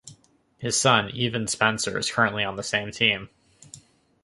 His son Evan Spencer is currently on the same team.